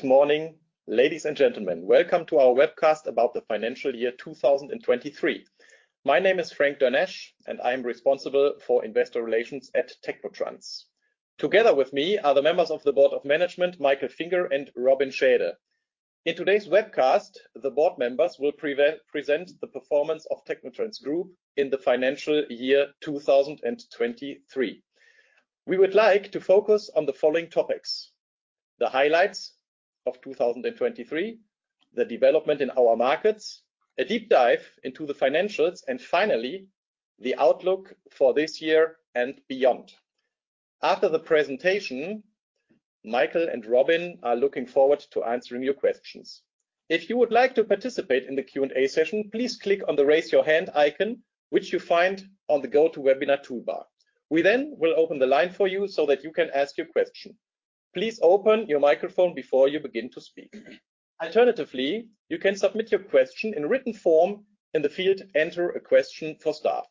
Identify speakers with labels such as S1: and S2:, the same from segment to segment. S1: Good morning, ladies and gentlemen. Welcome to our webcast about the financial year 2023. My name is Frank Dernesch, and I am responsible for investor relations at Technotrans. Together with me are the members of the board of management, Michael Finger and Robin Schaede. In today's webcast, the board members will present the performance of Technotrans Group in the financial year 2023. We would like to focus on the following topics: the highlights of 2023, the development in our markets, a deep dive into the financials, and finally, the outlook for this year and beyond. After the presentation, Michael and Robin are looking forward to answering your questions. If you would like to participate in the Q&A session, please click on the raise your hand icon, which you find on the GoToWebinar toolbar. We then will open the line for you so that you can ask your question. Please open your microphone before you begin to speak. Alternatively, you can submit your question in written form in the field, "Enter a question for staff."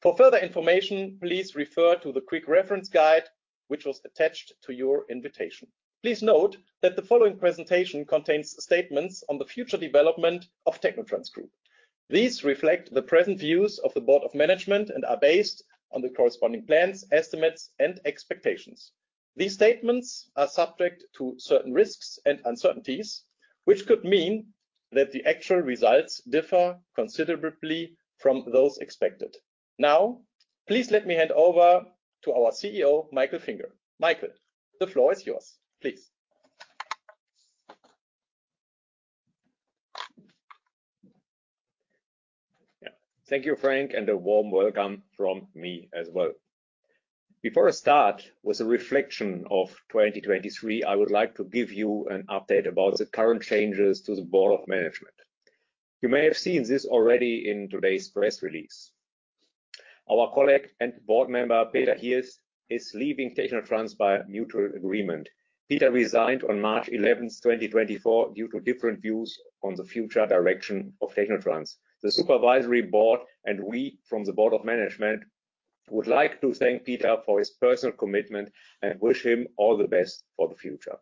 S1: For further information, please refer to the quick reference guide, which was attached to your invitation. Please note that the following presentation contains statements on the future development of Technotrans Group. These reflect the present views of the board of management and are based on the corresponding plans, estimates, and expectations. These statements are subject to certain risks and uncertainties, which could mean that the actual results differ considerably from those expected. Now, please let me hand over to our CEO, Michael Finger. Michael, the floor is yours. Please.
S2: Thank you, Frank, and a warm welcome from me as well. Before I start with a reflection of 2023, I would like to give you an update about the current changes to the board of management. You may have seen this already in today's press release. Our colleague and board member, Peter Hirsch, is leaving Technotrans by mutual agreement. Peter resigned on March 11th, 2024, due to different views on the future direction of Technotrans. The supervisory board and we from the board of management would like to thank Peter for his personal commitment and wish him all the best for the future.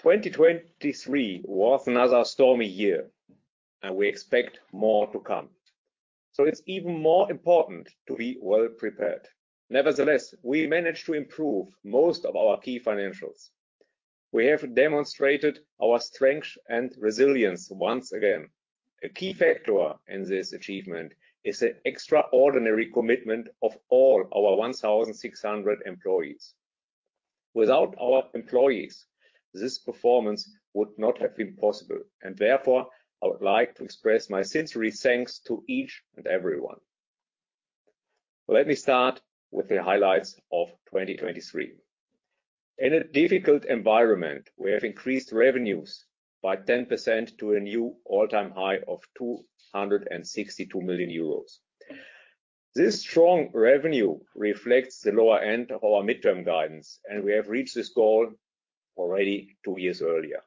S2: 2023 was another stormy year, and we expect more to come. So it's even more important to be well prepared. Nevertheless, we managed to improve most of our key financials. We have demonstrated our strength and resilience once again. A key factor in this achievement is the extraordinary commitment of all our 1,600 employees. Without our employees, this performance would not have been possible. Therefore, I would like to express my sincere thanks to each and everyone. Let me start with the highlights of 2023. In a difficult environment, we have increased revenues by 10% to a new all-time high of 262 million euros. This strong revenue reflects the lower end of our midterm guidance, and we have reached this goal already two years earlier.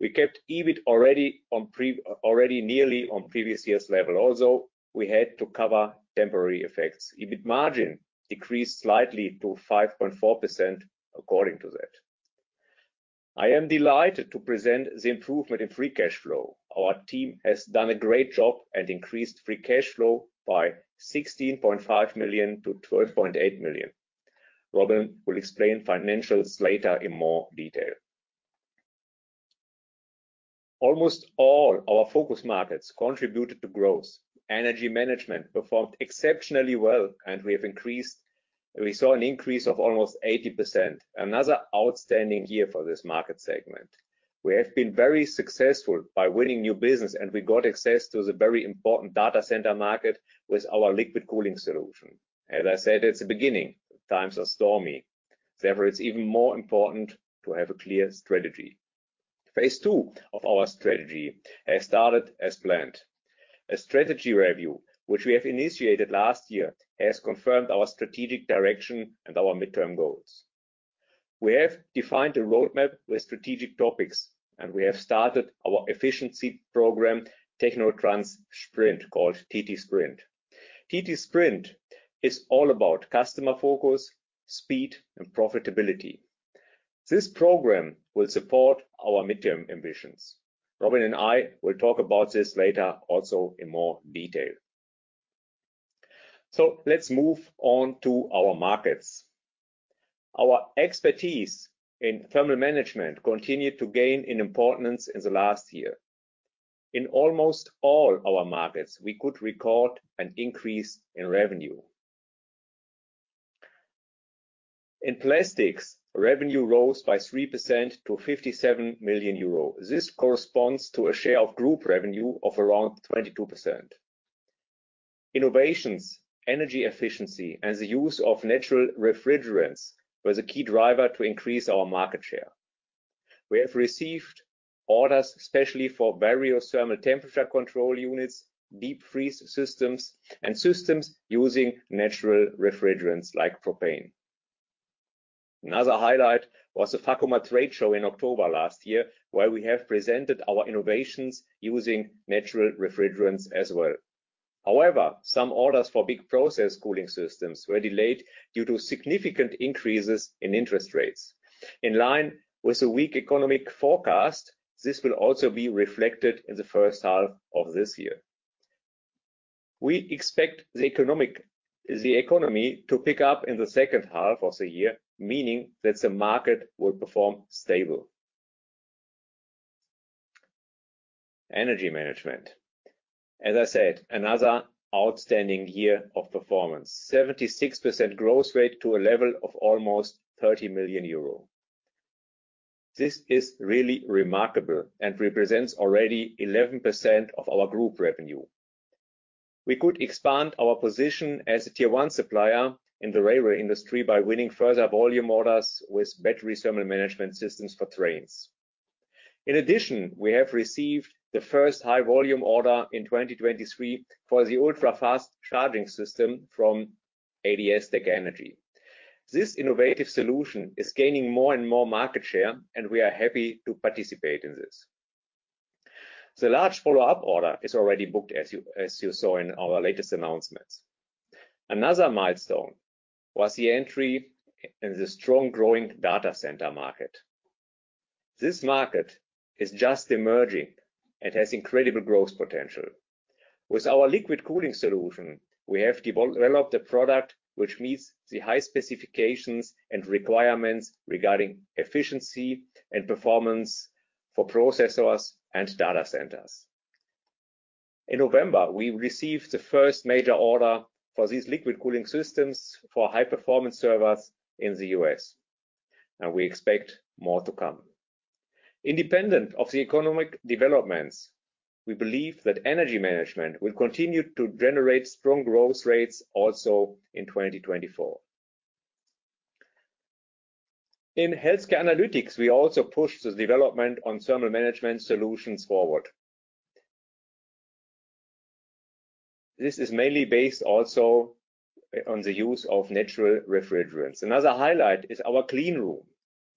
S2: We kept EBIT already nearly on previous year's level. Also, we had to cover temporary effects. EBIT margin decreased slightly to 5.4% according to that. I am delighted to present the improvement in free cash flow. Our team has done a great job and increased free cash flow by 16.5 million to 12.8 million. Robin will explain financials later in more detail. Almost all our focus markets contributed to growth. Energy management performed exceptionally well, and we saw an increase of almost 80%. Another outstanding year for this market segment. We have been very successful by winning new business, and we got access to the very important data center market with our liquid cooling solution. As I said at the beginning, times are stormy. Therefore, it's even more important to have a clear strategy. Phase II of our strategy has started as planned. A strategy review, which we have initiated last year, has confirmed our strategic direction and our midterm goals. We have defined a roadmap with strategic topics, and we have started our efficiency program, Technotrans Sprint, called TT Sprint. TT Sprint is all about customer focus, speed, and profitability. This program will support our midterm ambitions. Robin and I will talk about this later also in more detail. Let's move on to our markets. Our expertise in thermal management continued to gain in importance in the last year. In almost all our markets, we could record an increase in revenue. In plastics, revenue rose by 3% to 57 million euro. This corresponds to a share of group revenue of around 22%. Innovations, energy efficiency, and the use of natural refrigerants were the key driver to increase our market share. We have received orders especially for various thermal temperature control units, deep freeze systems, and systems using natural refrigerants like propane. Another highlight was the Fakuma trade show in October last year, where we have presented our innovations using natural refrigerants as well. However, some orders for big process cooling systems were delayed due to significant increases in interest rates. In line with the weak economic forecast, this will also be reflected in the first half of this year. We expect the economy to pick up in the second half of the year, meaning that the market will perform stable. Energy management. As I said, another outstanding year of performance, 76% growth rate to a level of almost 30 million euro. This is really remarkable and represents already 11% of our group revenue. We could expand our position as a tier one supplier in the railway industry by winning further volume orders with battery thermal management systems for trains. In addition, we have received the first high volume order in 2023 for the ultra-fast charging system from ADS-TEC Energy. This innovative solution is gaining more and more market share, and we are happy to participate in this. The large follow-up order is already booked, as you saw in our latest announcements. Another milestone was the entry in the strong growing data center market. This market is just emerging and has incredible growth potential. With our liquid cooling solution, we have developed a product which meets the high specifications and requirements regarding efficiency and performance for processors and data centers. In November, we received the first major order for these liquid cooling systems for high-performance servers in the U.S. We expect more to come. Independent of the economic developments, we believe that energy management will continue to generate strong growth rates also in 2024. In healthcare analytics, we also pushed the development on thermal management solutions forward. This is mainly based also on the use of natural refrigerants. Another highlight is our clean room.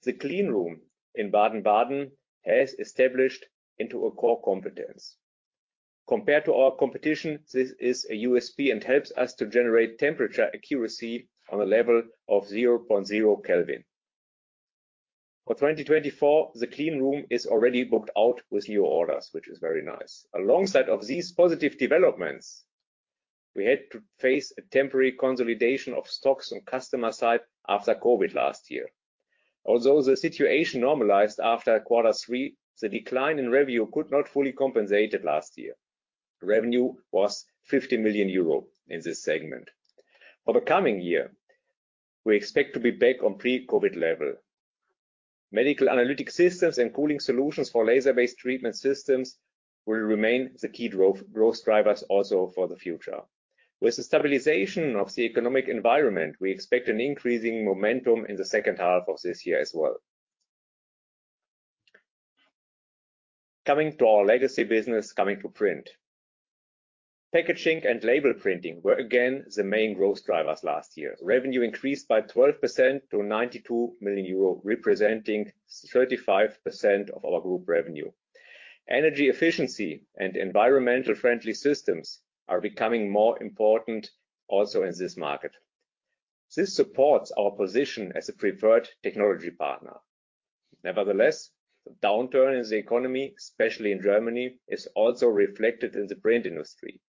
S2: The clean room in Baden-Baden has established into a core competence. Compared to our competition, this is a USP and helps us to generate temperature accuracy on a level of 0.0 Kelvin. For 2024, the Clean Room is already booked out with new orders, which is very nice. Alongside of these positive developments, we had to face a temporary consolidation of stocks on the customer side after COVID last year. Although the situation normalized after quarter three, the decline in revenue could not fully compensate it last year. Revenue was 50 million euro in this segment. For the coming year, we expect to be back on pre-COVID level. Medical analytic systems and cooling solutions for laser-based treatment systems will remain the key growth drivers also for the future. With the stabilization of the economic environment, we expect an increasing momentum in the second half of this year as well. Coming to our legacy business, coming to print. Packaging and label printing were again the main growth drivers last year. Revenue increased by 12% to 92 million euro, representing 35% of our group revenue. Energy efficiency and environmentally friendly systems are becoming more important also in this market. This supports our position as a preferred technology partner. Nevertheless, the downturn in the economy, especially in Germany, is also reflected in the print industry.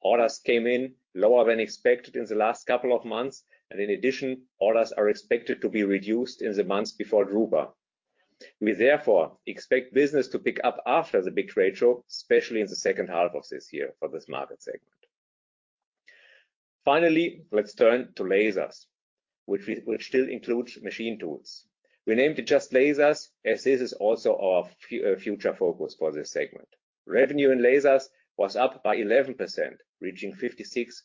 S2: Orders came in lower than expected in the last couple of months. In addition, orders are expected to be reduced in the months before Drupa. We therefore expect business to pick up after the big trade show, especially in the second half of this year for this market segment. Finally, let's turn to lasers, which will still include machine tools. We named it just lasers as this is also our future focus for this segment. Revenue in lasers was up by 11%, reaching 56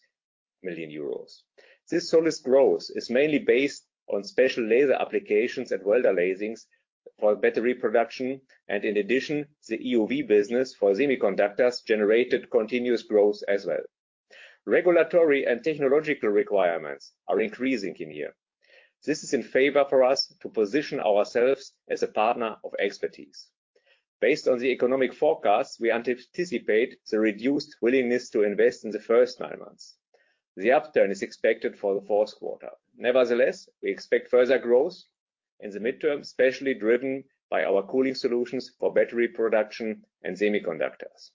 S2: million euros. This solid growth is mainly based on special laser applications and welder lasings for battery production. And in addition, the EUV business for semiconductors generated continuous growth as well. Regulatory and technological requirements are increasing in here. This is in favor for us to position ourselves as a partner of expertise. Based on the economic forecasts, we anticipate the reduced willingness to invest in the first nine months. The upturn is expected for the fourth quarter. Nevertheless, we expect further growth in the midterm, especially driven by our cooling solutions for battery production and semiconductors.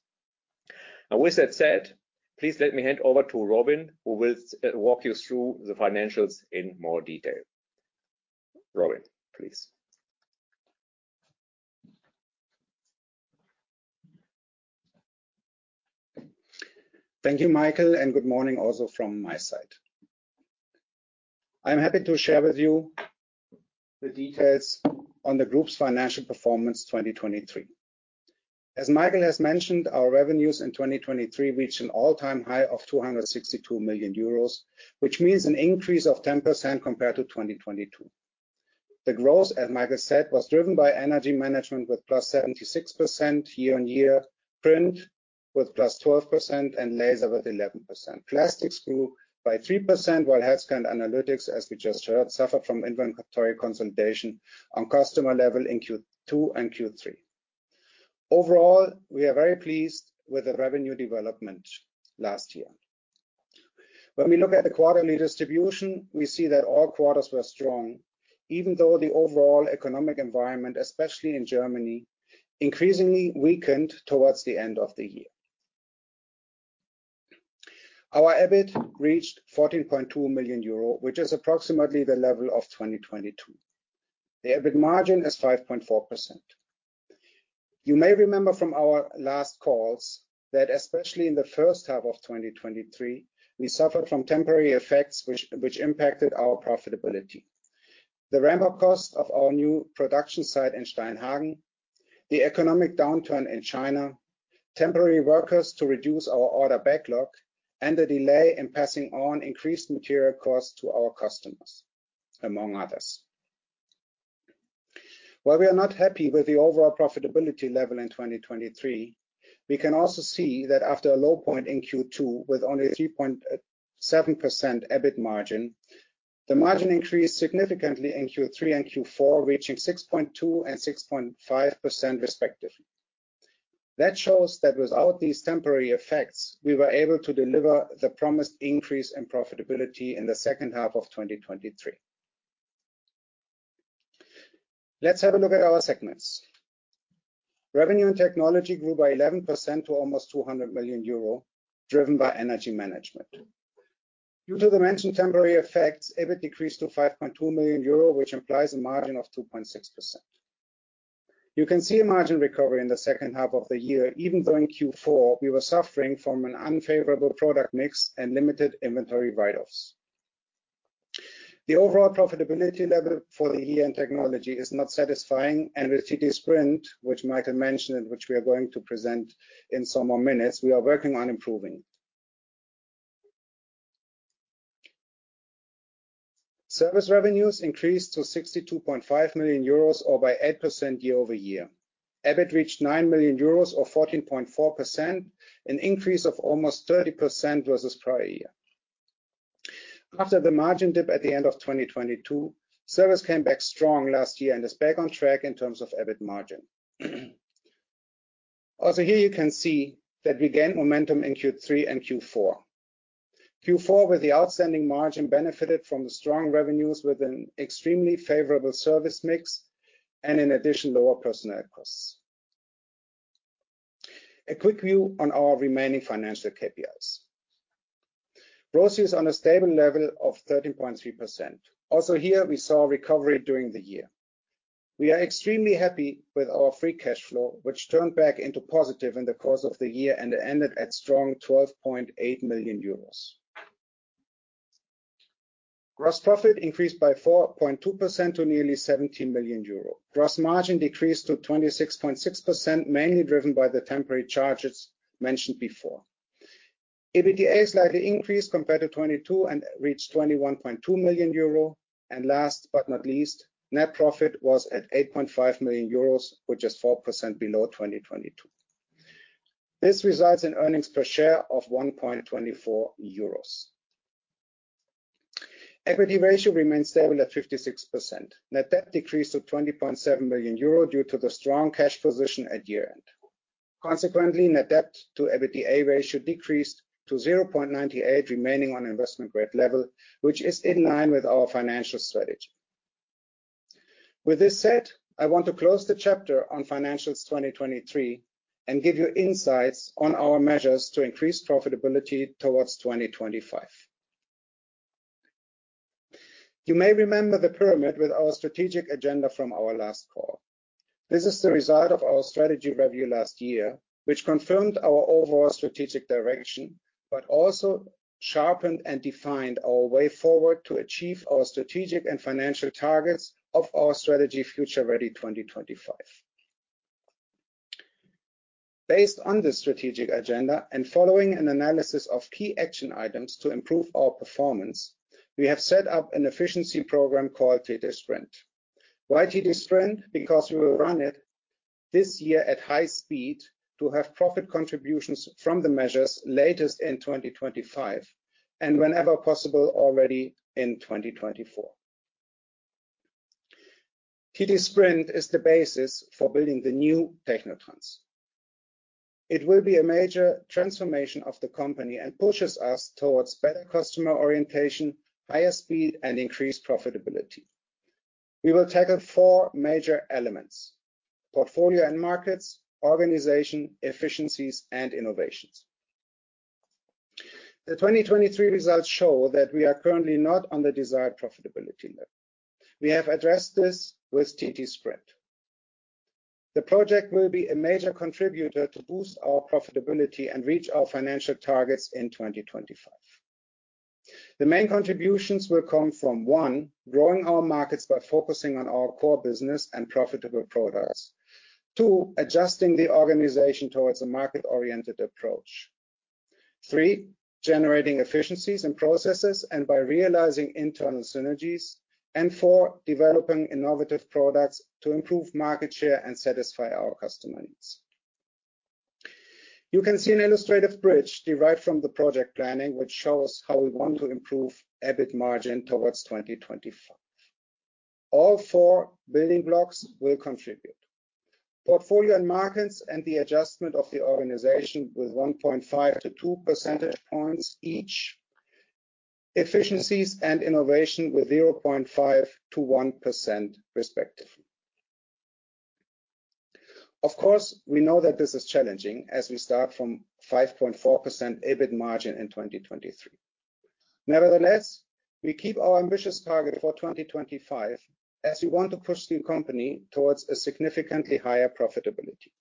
S2: Now, with that said, please let me hand over to Robin, who will walk you through the financials in more detail. Robin, please.
S3: Thank you, Michael, and good morning also from my side. I'm happy to share with you the details on the group's financial performance 2023. As Michael has mentioned, our revenues in 2023 reached an all-time high of 262 million euros, which means an increase of 10% compared to 2022. The growth, as Michael said, was driven by energy management with +76% year-on-year, print with +12%, and laser with 11%. Plastics grew by 3%, while healthcare and analytics, as we just heard, suffered from inventory consolidation on customer level in Q2 and Q3. Overall, we are very pleased with the revenue development last year. When we look at the quarterly distribution, we see that all quarters were strong, even though the overall economic environment, especially in Germany, increasingly weakened towards the end of the year. Our EBIT reached 14.2 million euro, which is approximately the level of 2022. The EBIT margin is 5.4%. You may remember from our last calls that especially in the first half of 2023, we suffered from temporary effects, which impacted our profitability. The ramp-up cost of our new production site in Steinhagen, the economic downturn in China, temporary workers to reduce our order backlog, and the delay in passing on increased material costs to our customers, among others. While we are not happy with the overall profitability level in 2023, we can also see that after a low point in Q2 with only 3.7% EBIT margin, the margin increased significantly in Q3 and Q4, reaching 6.2% and 6.5%, respectively. That shows that without these temporary effects, we were able to deliver the promised increase in profitability in the second half of 2023. Let's have a look at our segments. Revenue and technology grew by 11% to almost 200 million euro, driven by energy management. Due to the mentioned temporary effects, EBIT decreased to 5.2 million euro, which implies a margin of 2.6%. You can see a margin recovery in the second half of the year, even though in Q4, we were suffering from an unfavorable product mix and limited inventory write-offs. The overall profitability level for the year in technology is not satisfying, and with TT Sprint, which Michael mentioned and which we are going to present in some more minutes, we are working on improving it. Service revenues increased to 62.5 million euros or by 8% year-over-year. EBIT reached 9 million euros or 14.4%, an increase of almost 30% versus prior year. After the margin dip at the end of 2022, service came back strong last year and is back on track in terms of EBIT margin. Also, here you can see that we gained momentum in Q3 and Q4. Q4, with the outstanding margin, benefited from the strong revenues with an extremely favorable service mix and, in addition, lower personnel costs. A quick view on our remaining financial KPIs. Gross use on a stable level of 13.3%. Also, here, we saw recovery during the year. We are extremely happy with our free cash flow, which turned back into positive in the course of the year and ended at strong 12.8 million euros. Gross profit increased by 4.2% to nearly 17 million euro. Gross margin decreased to 26.6%, mainly driven by the temporary charges mentioned before. EBITDA slightly increased compared to 2022 and reached 21.2 million euro. Last but not least, net profit was at 8.5 million euros, which is 4% below 2022. This results in earnings per share of 1.24 euros. Equity ratio remained stable at 56%. Net debt decreased to 20.7 million euro due to the strong cash position at year-end. Consequently, net debt to EBITDA ratio decreased to 0.98, remaining on investment grade level, which is in line with our financial strategy. With this said, I want to close the chapter on financials 2023 and give you insights on our measures to increase profitability towards 2025. You may remember the pyramid with our strategic agenda from our last call. This is the result of our strategy review last year, which confirmed our overall strategic direction, but also sharpened and defined our way forward to achieve our strategic and financial targets of our strategy Future-ready 2025. Based on this strategic agenda and following an analysis of key action items to improve our performance, we have set up an efficiency program called TT Sprint. Why TT Sprint? Because we will run it this year at high speed to have profit contributions from the measures latest in 2025 and whenever possible, already in 2024. TT Sprint is the basis for building the new Technotrans. It will be a major transformation of the company and pushes us towards better customer orientation, higher speed, and increased profitability. We will tackle four major elements: portfolio and markets, organization, efficiencies, and innovations. The 2023 results show that we are currently not on the desired profitability level. We have addressed this with TT Sprint. The project will be a major contributor to boost our profitability and reach our financial targets in 2025. The main contributions will come from: one, growing our markets by focusing on our core business and profitable products. Two, adjusting the organization towards a market-oriented approach. Three, generating efficiencies and processes and by realizing internal synergies. And four, developing innovative products to improve market share and satisfy our customer needs. You can see an illustrative bridge derived from the project planning, which shows how we want to improve EBIT margin towards 2025. All four building blocks will contribute: portfolio and markets and the adjustment of the organization with 1.5-2 percentage points each. Efficiencies and innovation with 0.5%-1%, respectively. Of course, we know that this is challenging as we start from 5.4% EBIT margin in 2023. Nevertheless, we keep our ambitious target for 2025 as we want to push the company towards a significantly higher profitability.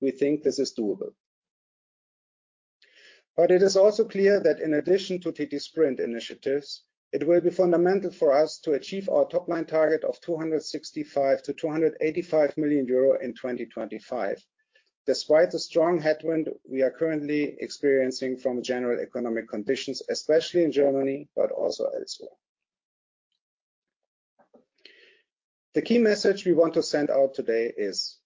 S3: We think this is doable. It is also clear that, in addition to TT Sprint initiatives, it will be fundamental for us to achieve our top-line target of 265 million-285 million euro in 2025, despite the strong headwind we are currently experiencing from general economic conditions, especially in Germany, but also elsewhere. The key message we want to send out today is,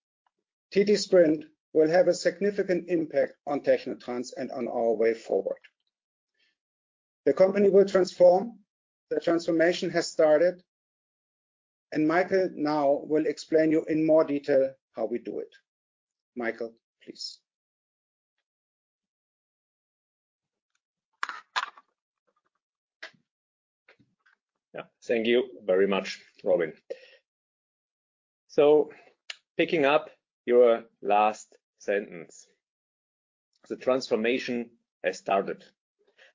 S3: TT Sprint will have a significant impact on Technotrans and on our way forward. The company will transform. The transformation has started. Michael now will explain to you in more detail how we do it. Michael, please.
S2: Yeah. Thank you very much, Robin. So picking up your last sentence, the transformation has started.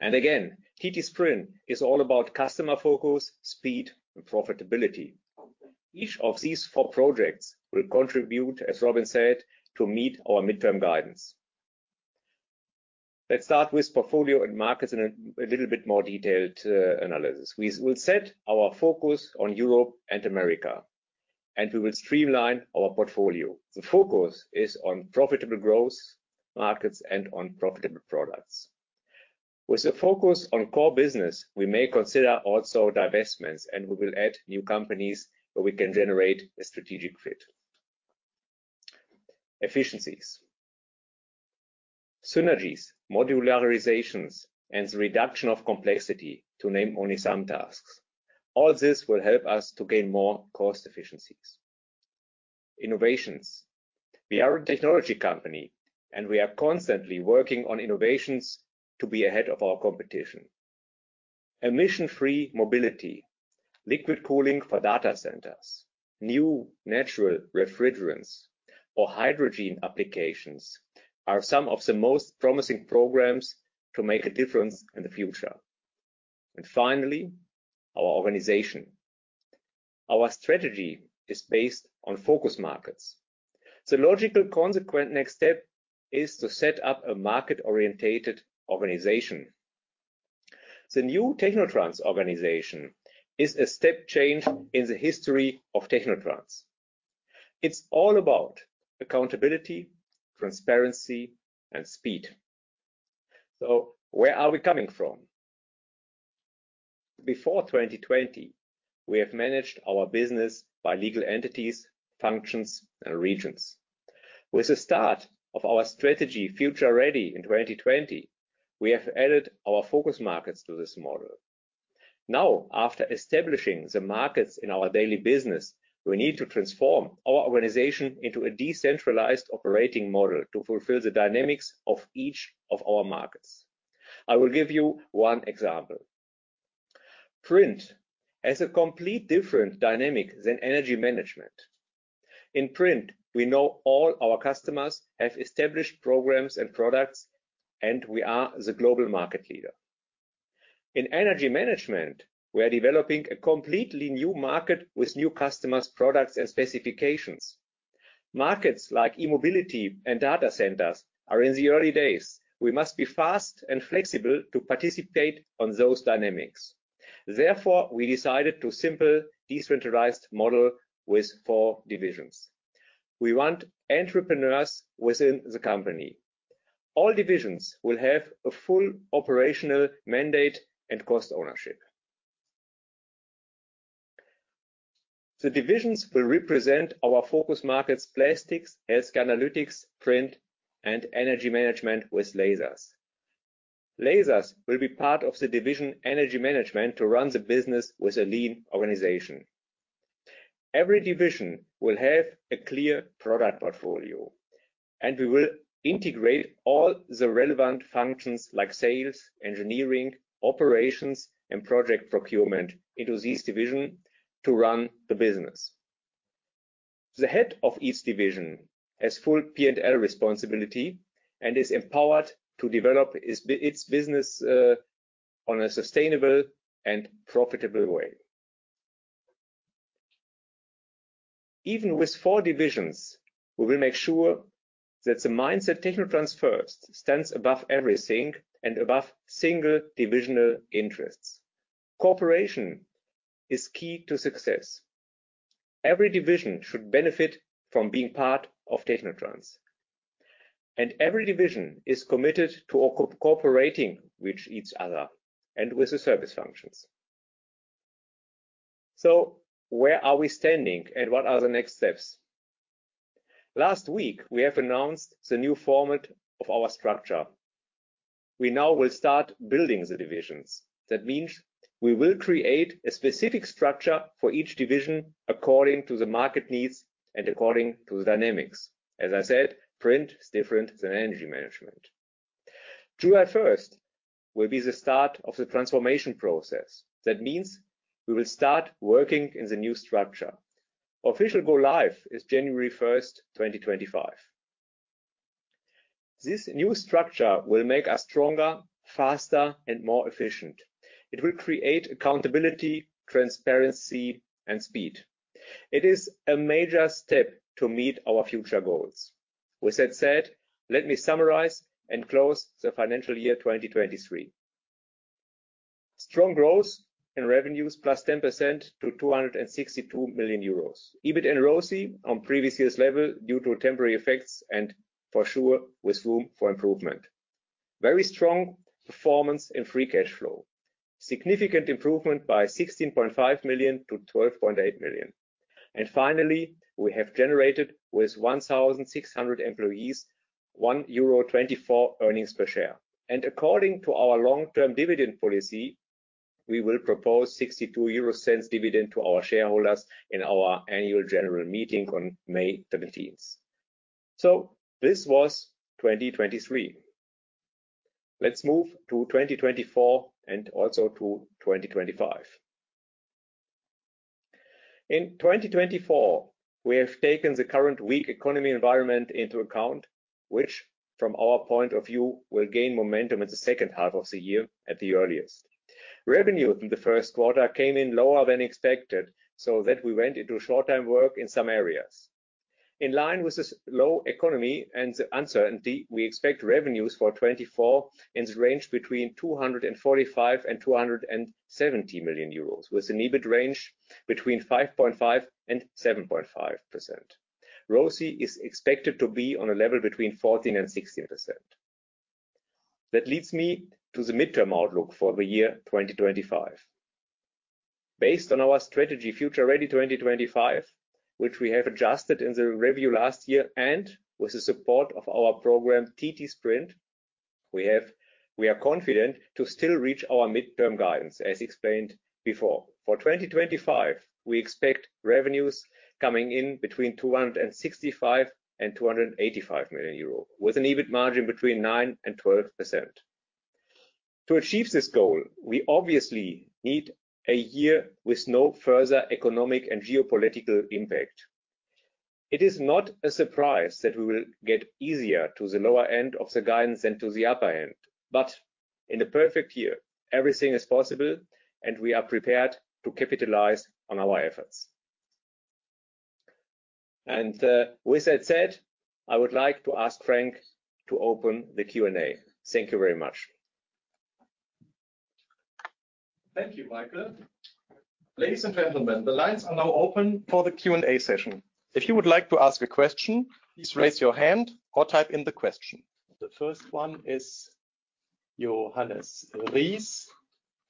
S2: And again, TT Sprint is all about customer focus, speed, and profitability. Each of these four projects will contribute, as Robin said, to meet our midterm guidance. Let's start with portfolio and markets in a little bit more detailed analysis. We will set our focus on Europe and America. We will streamline our portfolio. The focus is on profitable growth markets and on profitable products. With a focus on core business, we may consider also divestments. We will add new companies where we can generate a strategic fit. Efficiencies. Synergies, modularizations, and the reduction of complexity, to name only some tasks. All this will help us to gain more cost efficiencies. Innovations. We are a technology company. We are constantly working on innovations to be ahead of our competition. Emission-free mobility, liquid cooling for data centers, new natural refrigerants, or hydrogen applications are some of the most promising programs to make a difference in the future. And finally, our organization. Our strategy is based on focus markets. The logical, consequent next step is to set up a market-oriented organization. The new Technotrans organization is a step change in the history of Technotrans. It's all about accountability, transparency, and speed. So where are we coming from? Before 2020, we have managed our business by legal entities, functions, and regions. With the start of our strategy Future-ready in 2020, we have added our focus markets to this model. Now, after establishing the markets in our daily business, we need to transform our organization into a decentralized operating model to fulfill the dynamics of each of our markets. I will give you one example. Print has a completely different dynamic than energy management. In print, we know all our customers have established programs and products. We are the global market leader. In energy management, we are developing a completely new market with new customers, products, and specifications. Markets like e-mobility and data centers are in the early days. We must be fast and flexible to participate in those dynamics. Therefore, we decided to simplify the decentralized model with four divisions. We want entrepreneurs within the company. All divisions will have a full operational mandate and cost ownership. The divisions will represent our focus markets: plastics, healthcare analytics, print, and energy management with lasers. Lasers will be part of the division energy management to run the business with a lean organization. Every division will have a clear product portfolio. We will integrate all the relevant functions like sales, engineering, operations, and project procurement into this division to run the business. The head of each division has full P&L responsibility and is empowered to develop its business in a sustainable and profitable way. Even with four divisions, we will make sure that the mindset Technotrans first stands above everything and above single divisional interests. Cooperation is key to success. Every division should benefit from being part of Technotrans. Every division is committed to cooperating with each other and with the service functions. Where are we standing? What are the next steps? Last week, we have announced the new format of our structure. We now will start building the divisions. That means we will create a specific structure for each division according to the market needs and according to the dynamics. As I said, print is different than energy management. July 1st will be the start of the transformation process. That means we will start working in the new structure. Official go live is January 1st, 2025. This new structure will make us stronger, faster, and more efficient. It will create accountability, transparency, and speed. It is a major step to meet our future goals. With that said, let me summarize and close the financial year 2023. Strong growth in revenues +10% to 262 million euros. EBIT and ROCI on previous year's level due to temporary effects and for sure with room for improvement. Very strong performance in free cash flow. Significant improvement by 16.5 million to 12.8 million. And finally, we have generated with 1,600 employees 1.24 euro earnings per share. According to our long-term dividend policy, we will propose 0.62 dividend to our shareholders in our annual general meeting on May 13th. So this was 2023. Let's move to 2024 and also to 2025. In 2024, we have taken the current weak economic environment into account, which from our point of view will gain momentum in the second half of the year at the earliest. Revenue from the first quarter came in lower than expected so that we went into short-term work in some areas. In line with this low economy and the uncertainty, we expect revenues for 2024 in the range between 245 million and 270 million euros with an EBIT range between 5.5% and 7.5%. ROCI is expected to be on a level between 14% and 16%. That leads me to the midterm outlook for the year 2025. Based on our strategy Future-ready 2025, which we have adjusted in the review last year and with the support of our program TT Sprint, we are confident to still reach our midterm guidance as explained before. For 2025, we expect revenues coming in between 265 million-285 million euro with an EBIT margin between 9%-12%. To achieve this goal, we obviously need a year with no further economic and geopolitical impact. It is not a surprise that we will get easier to the lower end of the guidance than to the upper end. But in the perfect year, everything is possible. And we are prepared to capitalize on our efforts. And with that said, I would like to ask Frank to open the Q&A. Thank you very much.
S1: Thank you, Michael. Ladies and gentlemen, the lines are now open for the Q&A session. If you would like to ask a question, please raise your hand or type in the question. The first one is Johannes Ries.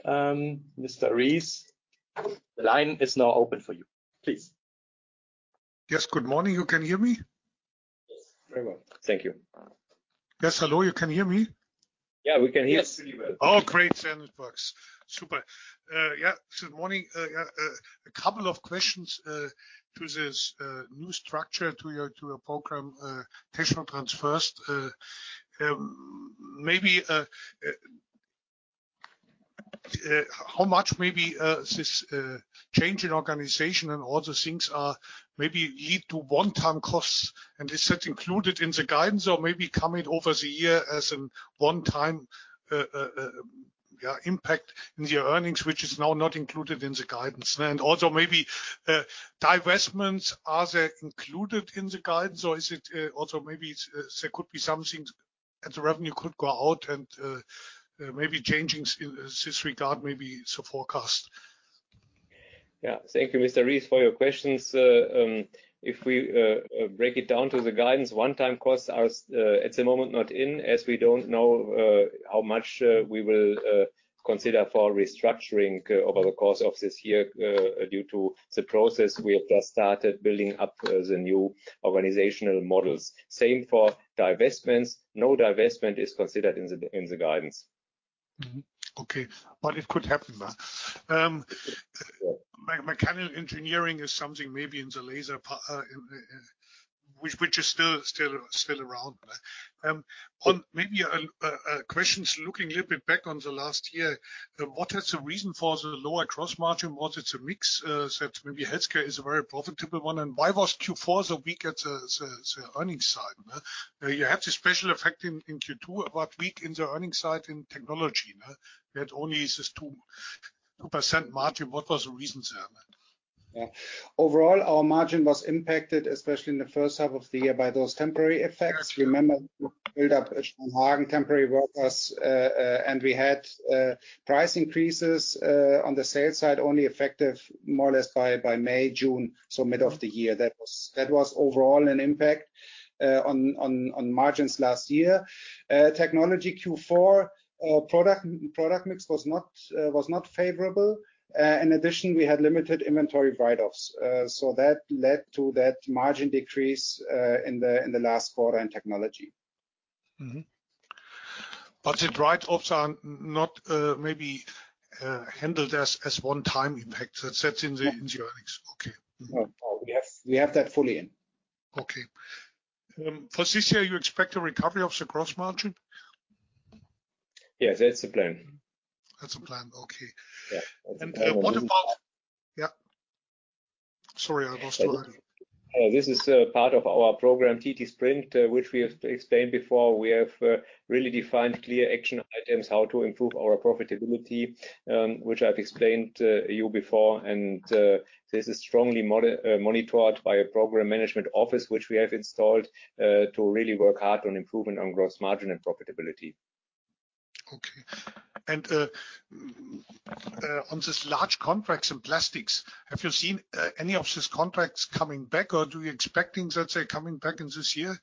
S1: Mr. Ries, the line is now open for you. Please.
S4: Yes. Good morning. You can hear me?
S1: Yes. Very well. Thank you.
S4: Yes. Hello. You can hear me?
S1: Yeah. We can hear pretty well.
S4: Oh, great. Sound works. Super. Yeah. Good morning. Yeah. A couple of questions to this new structure, to your program Technotrans first. Maybe how much maybe this change in organization and all the things maybe lead to one-time costs? And is that included in the guidance or maybe coming over the year as a one-time, yeah, impact in your earnings, which is now not included in the guidance? And also maybe divestments, are they included in the guidance? Or is it also maybe there could be something at the revenue could go out and maybe changing in this regard, maybe the forecast?
S2: Yeah. Thank you, Mr. Ries, for your questions. If we break it down to the guidance, one-time costs are at the moment not in as we don't know how much we will consider for restructuring over the course of this year due to the process we have just started building up the new organizational models. Same for divestments. No divestment is considered in the guidance.
S4: Okay. But it could happen. Mechanical engineering is something maybe in the laser, which is still around. Maybe questions looking a little bit back on the last year. What is the reason for the lower gross margin? Was it a mix that maybe healthcare is a very profitable one? And why was Q4 so weak at the earnings side? You have this special effect in Q2, but weak in the earnings side in technology. We had only this 2% margin. What was the reason there?
S3: Yeah. Overall, our margin was impacted, especially in the first half of the year, by those temporary effects. Remember, we built up Steinhagen temporary workers. And we had price increases on the sales side only effective more or less by May, June, so mid of the year. That was overall an impact on margins last year. Technology Q4, product mix was not favorable. In addition, we had limited inventory write-offs. So that led to that margin decrease in the last quarter in technology.
S4: But the write-offs are not maybe handled as one-time impacts that's set in your earnings? Okay.
S3: No. We have that fully in.
S4: Okay. For this year, you expect a recovery of the gross margin?
S2: Yes. That's the plan.
S4: That's the plan. Okay. And what about yeah. Sorry. I was too early.
S2: This is part of our program TT Sprint, which we have explained before. We have really defined clear action items how to improve our profitability, which I've explained to you before. This is strongly monitored by a program management office, which we have installed to really work hard on improvement on gross margin and profitability.
S4: Okay. On this large contracts in plastics, have you seen any of these contracts coming back? Or do you expect, let's say, coming back in this year?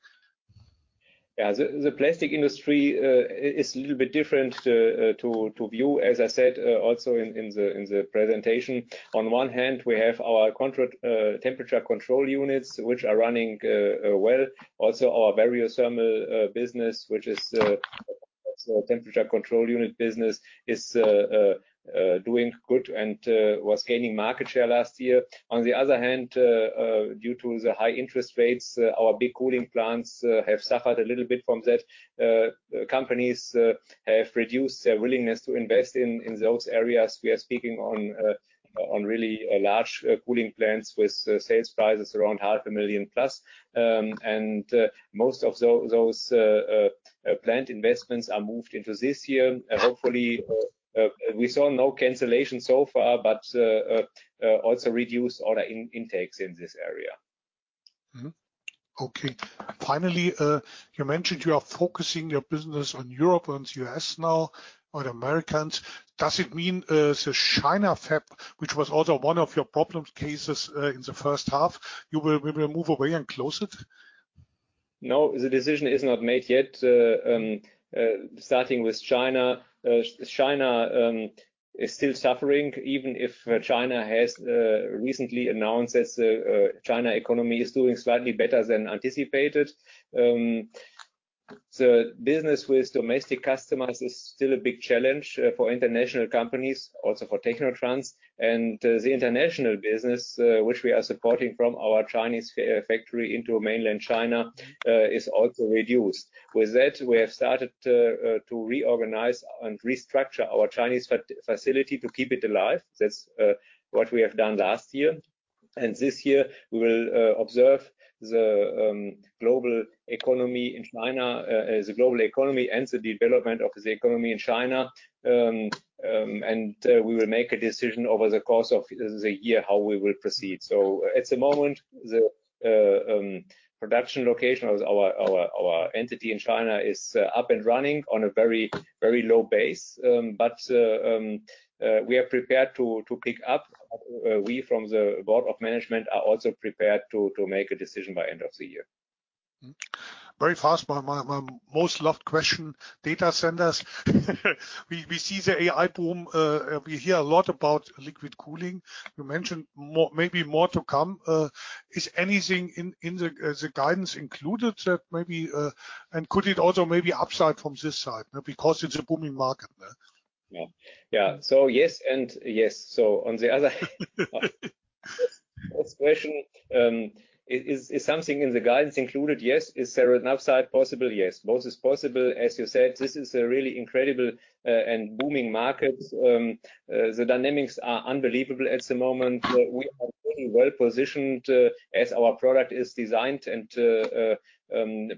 S2: Yeah. The plastic industry is a little bit different to view, as I said also in the presentation. On one hand, we have our temperature control units, which are running well. Also, our various thermal business, which is the temperature control unit business, is doing good and was gaining market share last year. On the other hand, due to the high interest rates, our big cooling plants have suffered a little bit from that. Companies have reduced their willingness to invest in those areas. We are speaking on really large cooling plants with sales prices around 500,000+. Most of those plant investments are moved into this year. Hopefully, we saw no cancellation so far but also reduced order intakes in this area.
S4: Okay. Finally, you mentioned you are focusing your business on Europe and U.S. now or the Americans. Does it mean the China fab, which was also one of your problem cases in the first half, you will move away and close it?
S2: No. The decision is not made yet. Starting with China, China is still suffering even if China has recently announced that the China economy is doing slightly better than anticipated. The business with domestic customers is still a big challenge for international companies, also for Technotrans. And the international business, which we are supporting from our Chinese factory into mainland China, is also reduced. With that, we have started to reorganize and restructure our Chinese facility to keep it alive. That's what we have done last year. And this year, we will observe the global economy in China, the global economy, and the development of the economy in China. And we will make a decision over the course of the year how we will proceed. So at the moment, the production location of our entity in China is up and running on a very, very low base. We are prepared to pick up. We from the board of management are also prepared to make a decision by end of the year.
S4: Very fast. My most loved question, data centers. We see the AI boom. We hear a lot about liquid cooling. You mentioned maybe more to come. Is anything in the guidance included that maybe and could it also maybe upside from this side because it's a booming market?
S2: Yeah. Yeah. So yes and yes. So on the other question, is something in the guidance included? Yes. Is there enough supply possible? Yes. Both is possible. As you said, this is a really incredible and booming market. The dynamics are unbelievable at the moment. We are pretty well positioned as our product is designed and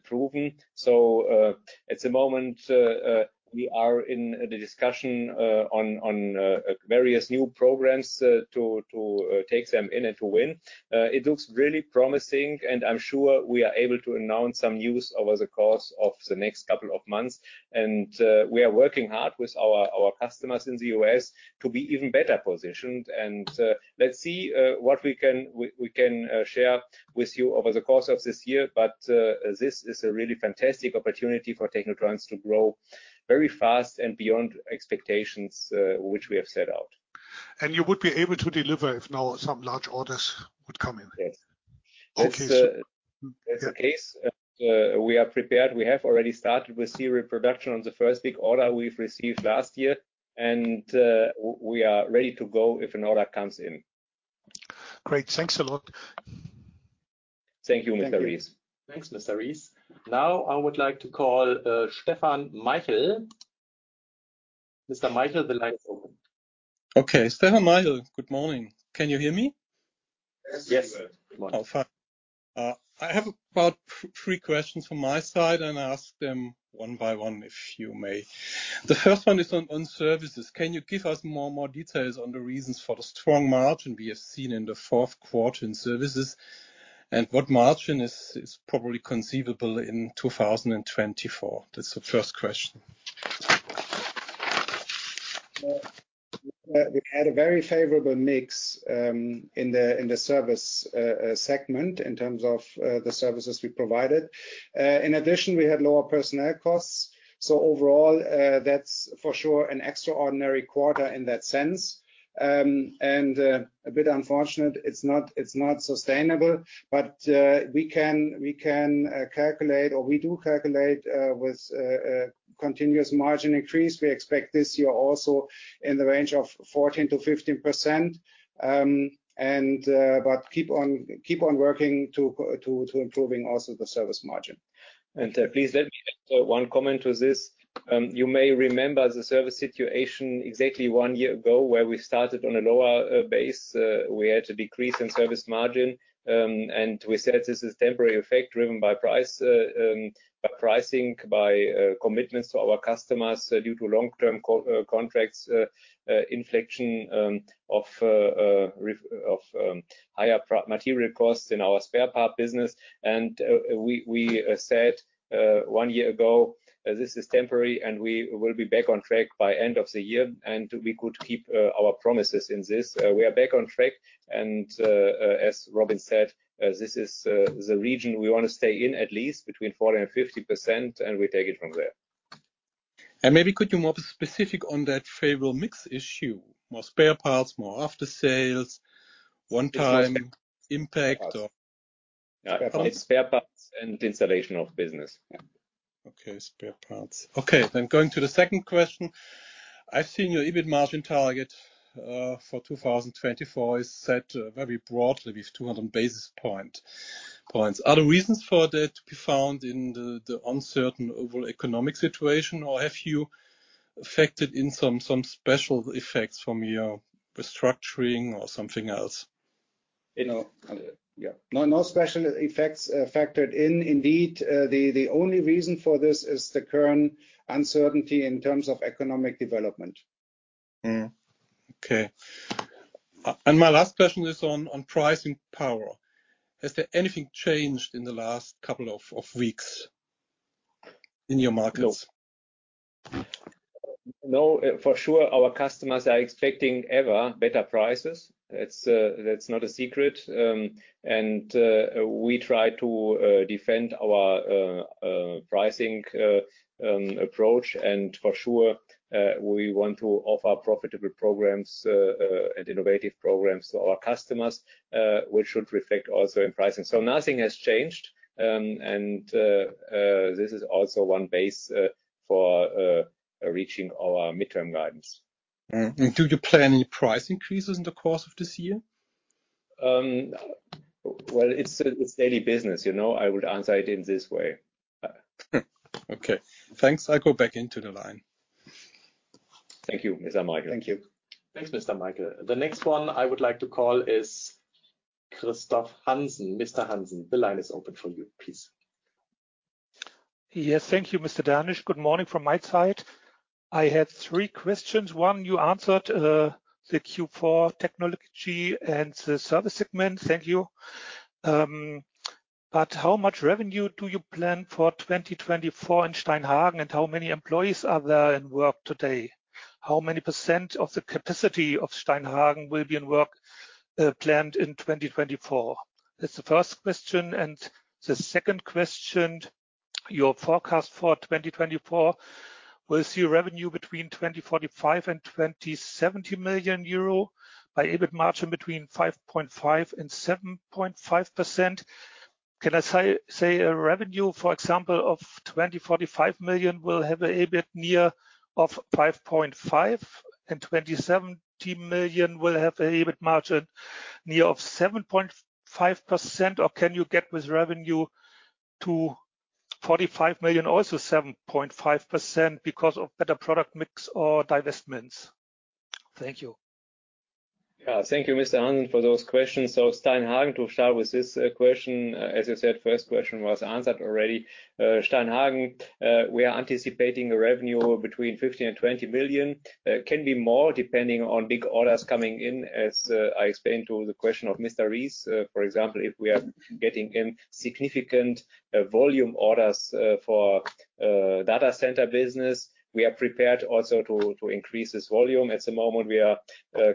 S2: proven. So at the moment, we are in the discussion on various new programs to take them in and to win. It looks really promising. And I'm sure we are able to announce some news over the course of the next couple of months. And we are working hard with our customers in the US to be even better positioned. And let's see what we can share with you over the course of this year. But this is a really fantastic opportunity for Technotrans to grow very fast and beyond expectations, which we have set out.
S4: You would be able to deliver if now some large orders would come in?
S2: Yes. That's the case. We are prepared. We have already started with serial production on the first big order we've received last year. We are ready to go if an order comes in.
S4: Great. Thanks a lot.
S2: Thank you, Mr. Ries.
S1: Thanks, Mr. Ries. Now I would like to call Stefan Maichl. Mr. Maichl, the line is open.
S5: Okay. Stefan Maichl, good morning. Can you hear me?
S1: Yes. Good morning.
S5: Oh, fine. I have about three questions from my side. I'll ask them one by one, if you may. The first one is on services. Can you give us more details on the reasons for the strong margin we have seen in the fourth quarter in services and what margin is probably conceivable in 2024? That's the first question.
S3: We had a very favorable mix in the service segment in terms of the services we provided. In addition, we had lower personnel costs. So overall, that's for sure an extraordinary quarter in that sense. A bit unfortunate, it's not sustainable. We can calculate or we do calculate with continuous margin increase. We expect this year also in the range of 14%-15% but keep on working to improving also the service margin.
S2: And please let me add one comment to this. You may remember the service situation exactly one year ago where we started on a lower base. We had a decrease in service margin. And we said this is temporary effect driven by pricing, by commitments to our customers due to long-term contracts, inflection of higher material costs in our spare part business. And we said one year ago, "This is temporary. And we will be back on track by end of the year." And we could keep our promises in this. We are back on track. And as Robin said, this is the region we want to stay in at least between 40% and 50%. And we take it from there.
S5: Maybe could you more specific on that favorable mix issue? More spare parts, more after sales, one-time impact?
S2: Yeah. It's spare parts and installation of business.
S5: Okay. Spare parts. Okay. Then going to the second question. I've seen your EBIT margin target for 2024 is set very broadly with 200 basis points. Are the reasons for that to be found in the uncertain overall economic situation? Or have you factored in some special effects from your restructuring or something else?
S3: Yeah. No special effects factored in. Indeed, the only reason for this is the current uncertainty in terms of economic development.
S5: Okay. My last question is on pricing power. Has anything changed in the last couple of weeks in your markets?
S2: No. For sure, our customers are expecting ever better prices. That's not a secret. We try to defend our pricing approach. For sure, we want to offer profitable programs and innovative programs to our customers, which should reflect also in pricing. Nothing has changed. This is also one basis for reaching our mid-term guidance.
S5: Do you plan any price increases in the course of this year?
S2: Well, it's daily business. I would answer it in this way.
S5: Okay. Thanks. I'll go back into the line.
S2: Thank you, Mr. Maichl.
S1: Thank you. Thanks, Mr. Maichl. The next one I would like to call is Christoph Hansen, Mr. Hansen. The line is open for you. Please.
S6: Yes. Thank you, Mr. Dernesch. Good morning from my side. I had three questions. One, you answered the Q4 technology and the service segment. Thank you. But how much revenue do you plan for 2024 in Steinhagen? And how many employees are there in work today? How many percent of the capacity of Steinhagen will be in work planned in 2024? That's the first question. And the second question, your forecast for 2024, we'll see revenue between 204.5 million-207.0 million euro by EBIT margin between 5.5% and 7.5%. Can I say a revenue, for example, of 204.5 million will have a EBIT near of 5.5%? And 207.0 million will have a EBIT margin near of 7.5%? Or can you get with revenue to 245 million also 7.5% because of better product mix or divestments? Thank you.
S2: Yeah. Thank you, Mr. Hansen, for those questions. So Steinhagen, to start with this question, as you said, first question was answered already. Steinhagen, we are anticipating a revenue between 15 million and 20 million. Can be more depending on big orders coming in. As I explained to the question of Mr. Ries, for example, if we are getting in significant volume orders for data center business, we are prepared also to increase this volume. At the moment, we are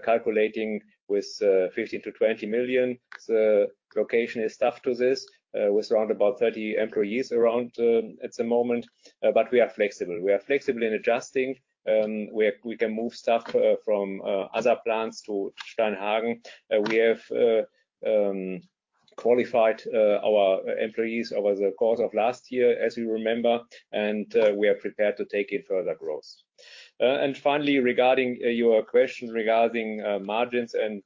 S2: calculating with 15-20 million. The location is tough to this with around about 30 employees around at the moment. But we are flexible. We are flexible in adjusting. We can move stuff from other plants to Steinhagen. We have qualified our employees over the course of last year, as you remember. And we are prepared to take in further growth. And finally, regarding your question regarding margins and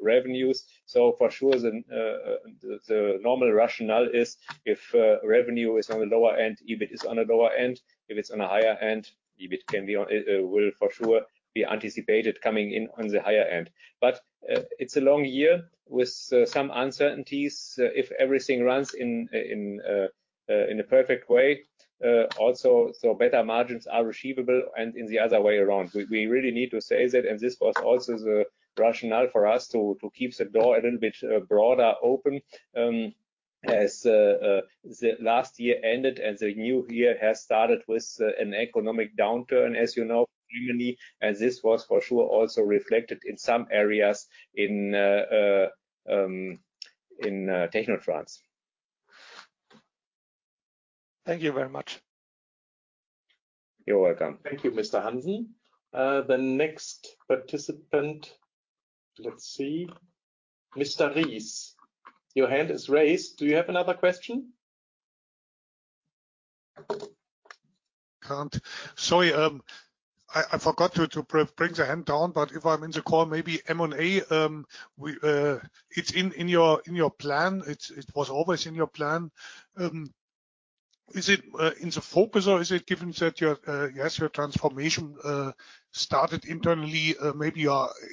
S2: revenues, so for sure, the normal rationale is if revenue is on the lower end, EBIT is on the lower end. If it's on the higher end, EBIT will for sure be anticipated coming in on the higher end. But it's a long year with some uncertainties if everything runs in a perfect way. Also, so better margins are achievable and in the other way around. We really need to say that. And this was also the rationale for us to keep the door a little bit broader open as the last year-ended. And the new year has started with an economic downturn, as you know, in Germany. And this was for sure also reflected in some areas in Technotrans.
S6: Thank you very much.
S2: You're welcome.
S1: Thank you, Mr. Hansen. The next participant, let's see. Mr. Ries, your hand is raised. Do you have another question?
S4: Can't. Sorry. I forgot to bring the hand down. But if I'm in the call, maybe M&A, it's in your plan. It was always in your plan. Is it in the focus? Or is it given that, yes, your transformation started internally? Maybe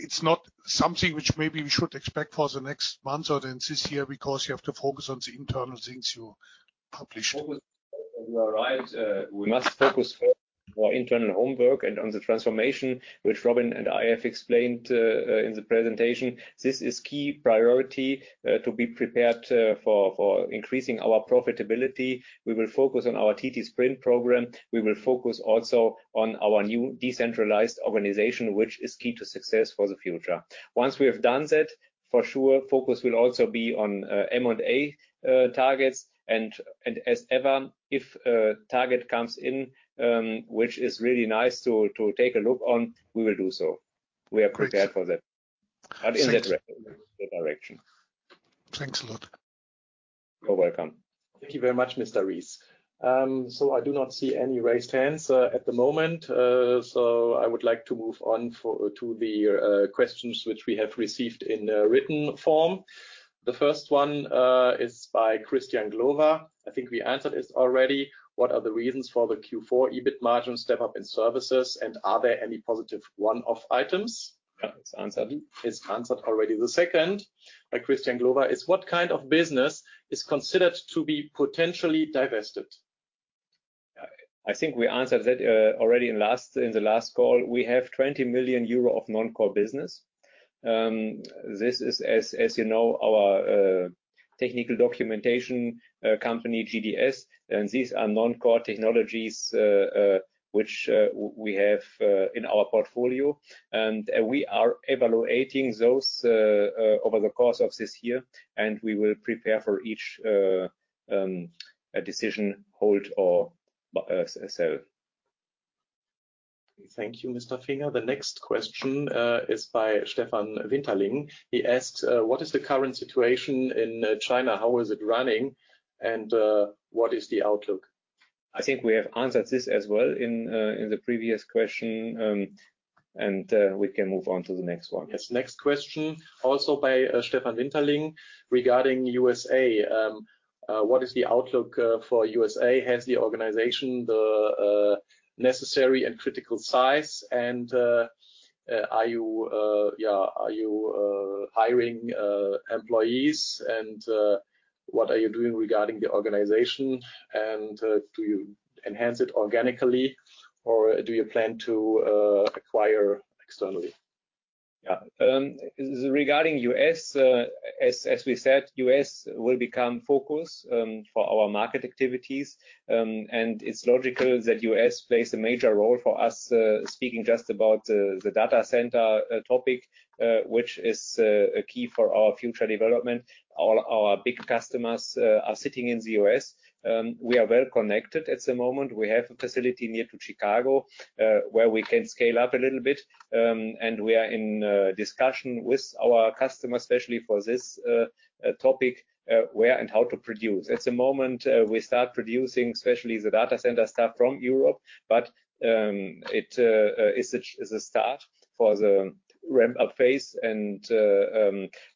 S4: it's not something which maybe we should expect for the next months or then this year because you have to focus on the internal things you published?
S2: You are right. We must focus first on our internal homework and on the transformation, which Robin and I have explained in the presentation. This is key priority to be prepared for increasing our profitability. We will focus on our TT Sprint program. We will focus also on our new decentralized organization, which is key to success for the future. Once we have done that, for sure, focus will also be on M&A targets. And as ever, if a target comes in, which is really nice to take a look on, we will do so. We are prepared for that but in that direction.
S4: Thanks a lot.
S2: You're welcome.
S1: Thank you very much, Mr. Ries. I do not see any raised hands at the moment. I would like to move on to the questions which we have received in written form. The first one is by Christian Glowa. I think we answered it already. What are the reasons for the Q4 EBIT margin step-up in services? And are there any positive one-off items?
S2: Yeah. It's answered.
S1: It's answered already. The second by Christian Glowa is, what kind of business is considered to be potentially divested?
S2: I think we answered that already in the last call. We have 20 million euro of non-core business. This is, as you know, our technical documentation company, GDS. And these are non-core technologies which we have in our portfolio. And we are evaluating those over the course of this year. And we will prepare for each decision, hold, or sell.
S1: Thank you, Mr. Finger. The next question is by Stefan Winterling. He asked, what is the current situation in China? How is it running? And what is the outlook?
S2: I think we have answered this as well in the previous question. We can move on to the next one.
S1: Yes. Next question also by Stefan Winterling regarding USA. What is the outlook for USA? Has the organization the necessary and critical size? And yeah, are you hiring employees? And what are you doing regarding the organization? And do you enhance it organically? Or do you plan to acquire externally?
S2: Yeah. Regarding U.S., as we said, U.S. will become focus for our market activities. And it's logical that U.S. plays a major role for us, speaking just about the data center topic, which is key for our future development. All our big customers are sitting in the U.S. We are well connected at the moment. We have a facility near to Chicago where we can scale up a little bit. And we are in discussion with our customers, especially for this topic, where and how to produce. At the moment, we start producing, especially the data center stuff from Europe. But it is a start for the ramp-up phase. And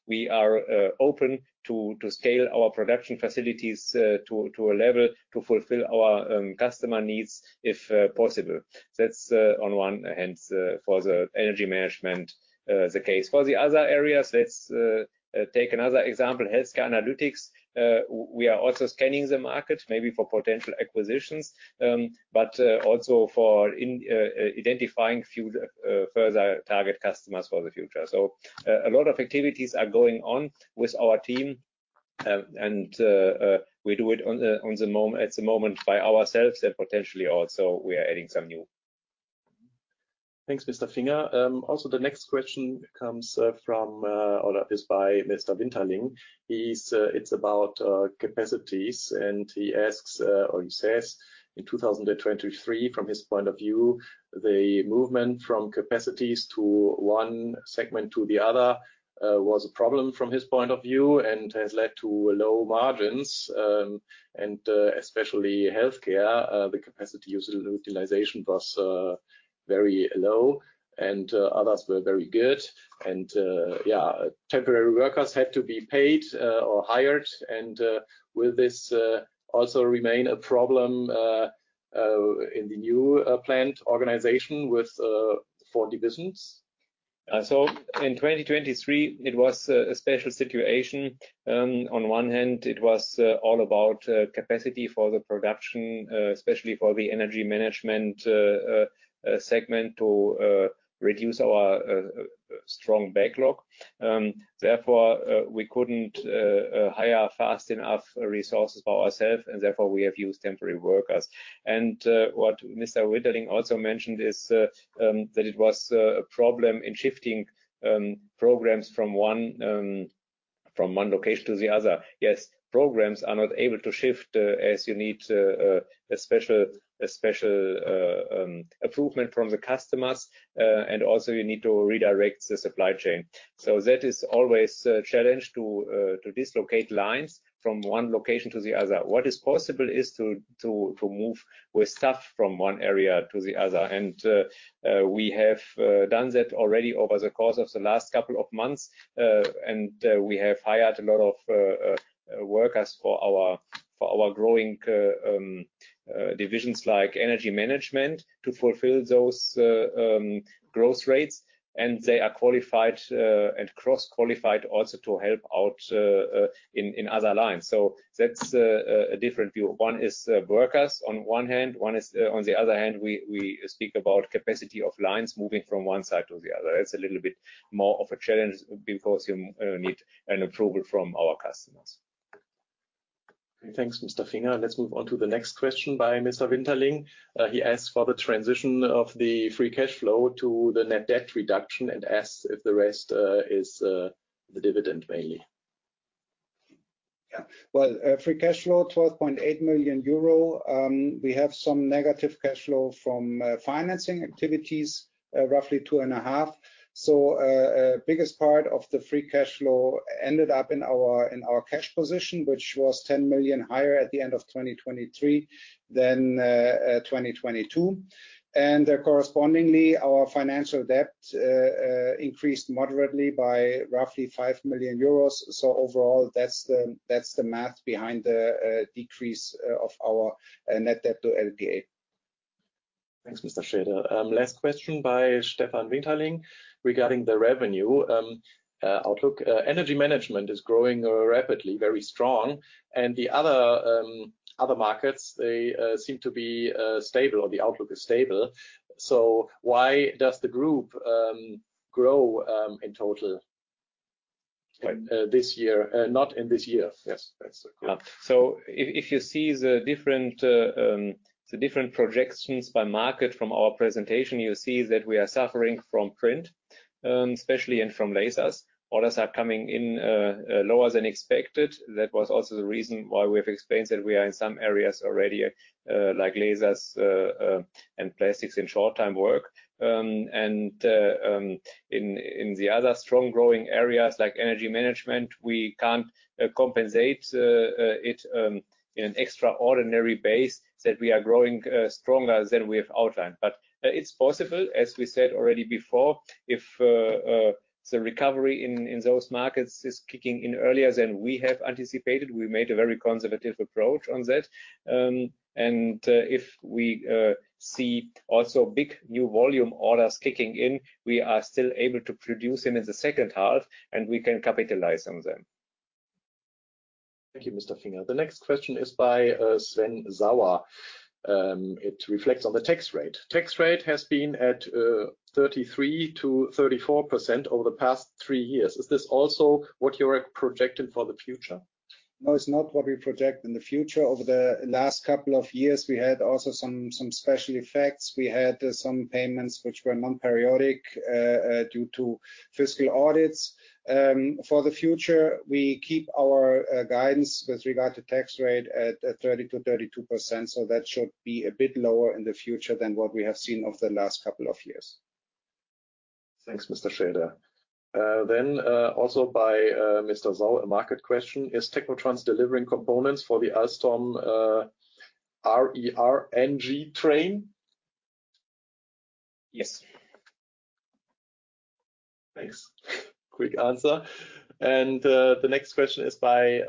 S2: we are open to scale our production facilities to a level to fulfill our customer needs if possible. That's, on one hand, for the energy management, the case. For the other areas, let's take another example, healthcare analytics. We are also scanning the market maybe for potential acquisitions but also for identifying further target customers for the future. So a lot of activities are going on with our team. We do it at the moment by ourselves and potentially also. We are adding some new.
S1: Thanks, Mr. Finger. Also, the next question comes from or is by Mr. Winterling. It's about capacities. He asks or he says, in 2023, from his point of view, the movement from capacities to one segment to the other was a problem from his point of view and has led to low margins. Especially healthcare, the capacity utilization was very low. Others were very good. Yeah, temporary workers had to be paid or hired. Will this also remain a problem in the new plant organization for divisions?
S2: In 2023, it was a special situation. On one hand, it was all about capacity for the production, especially for the energy management segment, to reduce our strong backlog. Therefore, we couldn't hire fast enough resources by ourselves. Therefore, we have used temporary workers. What Mr. Winterling also mentioned is that it was a problem in shifting programs from one location to the other. Yes, programs are not able to shift as you need a special approval from the customers. Also, you need to redirect the supply chain. So that is always a challenge to dislocate lines from one location to the other. What is possible is to move with stuff from one area to the other. We have done that already over the course of the last couple of months. We have hired a lot of workers for our growing divisions like energy management to fulfill those growth rates. They are qualified and cross-qualified also to help out in other lines. That's a different view. One is workers, on one hand. One is, on the other hand, we speak about capacity of lines moving from one side to the other. It's a little bit more of a challenge because you need an approval from our customers.
S1: Okay. Thanks, Mr. Finger. Let's move on to the next question by Mr. Winterling. He asks for the transition of the free cash flow to the net debt reduction and asks if the rest is the dividend mainly.
S3: Yeah. Well, free cash flow, 12.8 million euro. We have some negative cash flow from financing activities, roughly 2.5 million. So the biggest part of the free cash flow ended up in our cash position, which was 10 million higher at the end of 2023 than 2022. And correspondingly, our financial debt increased moderately by roughly 5 million euros. So overall, that's the math behind the decrease of our net debt to LPA.
S1: Thanks, Mr. Schaede. Last question by Stefan Winterling regarding the revenue outlook. Energy management is growing rapidly, very strong. And the other markets, they seem to be stable or the outlook is stable. So why does the group grow in total this year not in this year? Yes, that's a good.
S2: So if you see the different projections by market from our presentation, you see that we are suffering from print, especially, and from lasers. Orders are coming in lower than expected. That was also the reason why we have explained that we are in some areas already, like lasers and plastics, in short-term work. And in the other strong growing areas, like energy management, we can't compensate it in an extraordinary base that we are growing stronger than we have outlined. But it's possible, as we said already before, if the recovery in those markets is kicking in earlier than we have anticipated, we made a very conservative approach on that. And if we see also big new volume orders kicking in, we are still able to produce them in the second half. And we can capitalize on them.
S1: Thank you, Mr. Finger. The next question is by Sven Sauer. It reflects on the tax rate. Tax rate has been at 33%-34% over the past three years. Is this also what you are projecting for the future?
S3: No, it's not what we project in the future. Over the last couple of years, we had also some special effects. We had some payments which were non-periodic due to fiscal audits. For the future, we keep our guidance with regard to tax rate at 30%-32%. So that should be a bit lower in the future than what we have seen over the last couple of years.
S1: Thanks, Mr. Schaede. Then also by Mr. Sauer, a market question. Is Technotrans delivering components for the Alstom RER NG train?
S2: Yes.
S1: Thanks. Quick answer. And the next question is by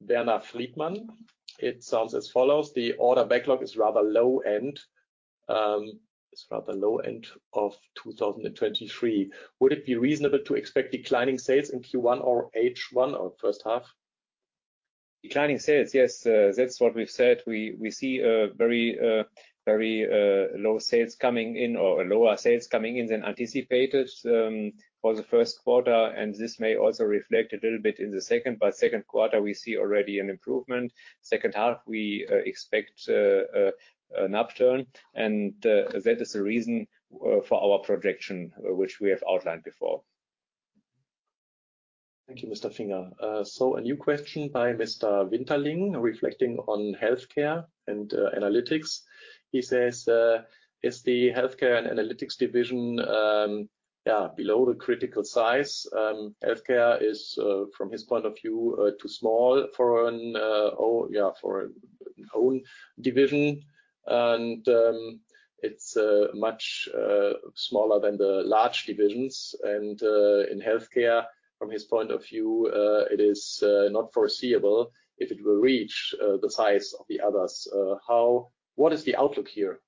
S1: Bernhard Friedmann. It sounds as follows. The order backlog is rather low end, is rather low end of 2023. Would it be reasonable to expect declining sales in Q1 or H1 or first half?
S2: Declining sales, yes. That's what we've said. We see very, very low sales coming in or lower sales coming in than anticipated for the first quarter. And this may also reflect a little bit in the second. But second quarter, we see already an improvement. Second half, we expect an upturn. And that is the reason for our projection, which we have outlined before.
S1: Thank you, Mr. Finger. So a new question by Mr. Winterling reflecting on healthcare and analytics. He says, is the healthcare and analytics division, yeah, below the critical size? Healthcare is, from his point of view, too small for an own division. And it's much smaller than the large divisions. And in healthcare, from his point of view, it is not foreseeable if it will reach the size of the others. What is the outlook here?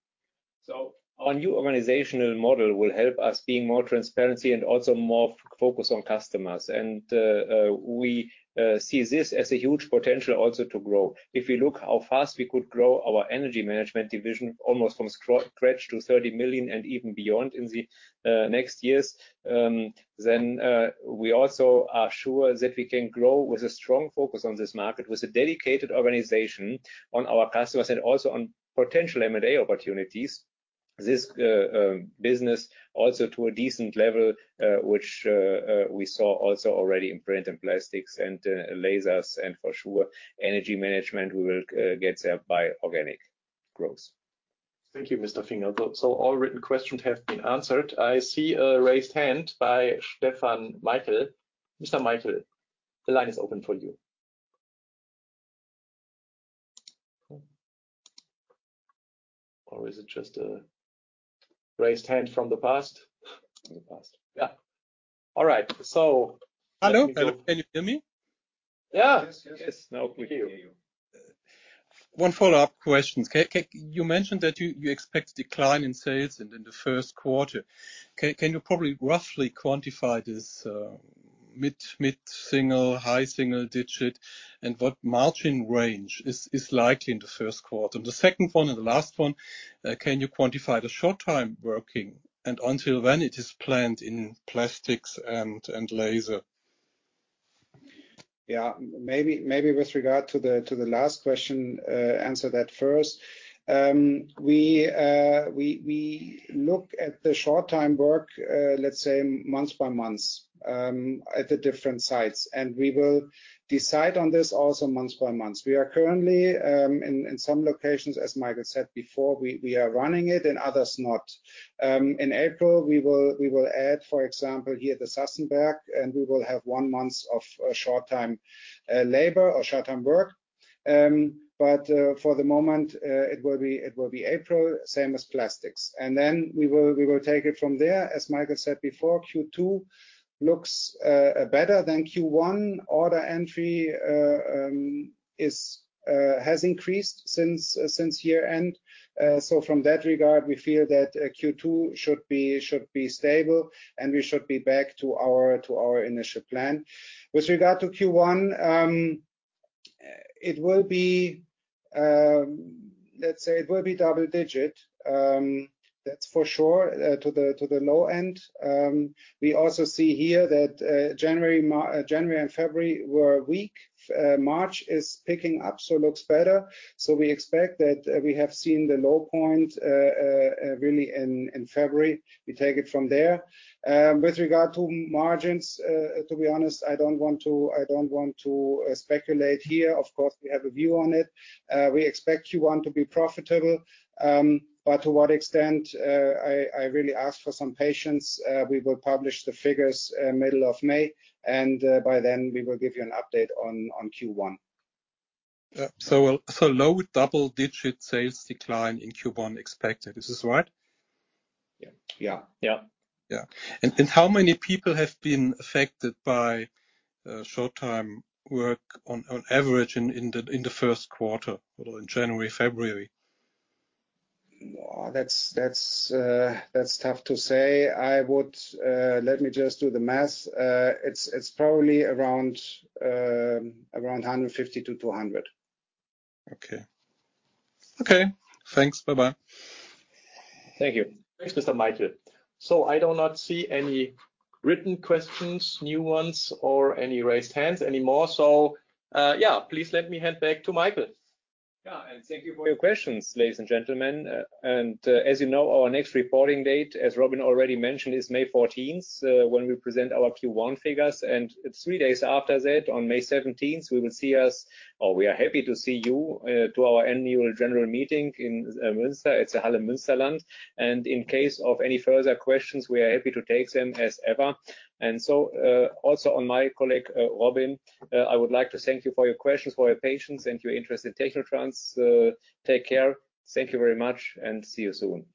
S2: Our new organizational model will help us be more transparent and also more focused on customers. We see this as a huge potential also to grow. If we look how fast we could grow our energy management division almost from scratch to 30 million and even beyond in the next years, then we also are sure that we can grow with a strong focus on this market, with a dedicated organization on our customers and also on potential M&A opportunities, this business also to a decent level, which we saw also already in print and plastics and lasers. For sure, energy management, we will get there by organic growth.
S1: Thank you, Mr. Finger. So all written questions have been answered. I see a raised hand by Stefan Maichl. Mr. Maichl, the line is open for you. Or is it just a raised hand from the past?
S2: From the past.
S1: Yeah. All right. So.
S5: Hello. Can you hear me?
S1: Yeah.
S2: Yes, yes. Now, we hear you.
S5: One follow-up question. You mentioned that you expect decline in sales in the first quarter. Can you probably roughly quantify this mid-single-digit, high-single-digit, and what margin range is likely in the first quarter? And the second one and the last one, can you quantify the short-term working and until when it is planned in plastics and laser?
S3: Yeah. Maybe with regard to the last question, answer that first. We look at the short-term work, let's say, month by month at the different sites. And we will decide on this also month by month. We are currently, in some locations, as Michael said before, we are running it and others not. In April, we will add, for example, here at the Sassenberg, and we will have one month of short-term labor or short-term work. But for the moment, it will be April, same as plastics. And then we will take it from there. As Michael said before, Q2 looks better than Q1. Order entry has increased since year-end. So from that regard, we feel that Q2 should be stable. And we should be back to our initial plan. With regard to Q1, let's say it will be double digit. That's for sure to the low end. We also see here that January and February were weak. March is picking up, so looks better. So we expect that we have seen the low point really in February. We take it from there. With regard to margins, to be honest, I don't want to speculate here. Of course, we have a view on it. We expect Q1 to be profitable. But to what extent, I really ask for some patience. We will publish the figures middle of May. And by then, we will give you an update on Q1.
S5: Low double-digit sales decline in Q1 expected. Is this right?
S2: Yeah. Yeah. Yeah.
S5: Yeah. And how many people have been affected by short-term work on average in the first quarter or in January, February?
S7: That's tough to say. Let me just do the math. It's probably around 150 to 200. Okay. Okay. Thanks. Bye-bye.
S2: Thank you.
S1: Thanks, Mr. Maichl. I do not see any written questions, new ones, or any raised hands anymore. So yeah, please let me hand back to Michael.
S2: Yeah. Thank you for your questions, ladies and gentlemen. As you know, our next reporting date, as Robin already mentioned, is May 14th when we present our Q1 figures. Three days after that, on May 17th, we will see us or we are happy to see you to our annual general meeting in Münster. It's the Halle Münsterland. In case of any further questions, we are happy to take them as ever. So also on my colleague, Robin, I would like to thank you for your questions, for your patience, and your interest in Technotrans. Take care. Thank you very much. See you soon.